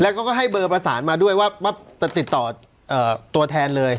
แล้วก็ให้เบอร์ประสานมาด้วยว่าจะติดต่อตัวแทนเลย